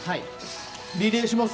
リレーします？